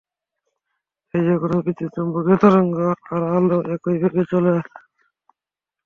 তাই যেকোনো বিদ্যুৎ–চুম্বকীয় তরঙ্গ আর আলো একই বেগে চলে।